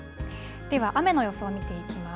では雨の予想を見ていきます。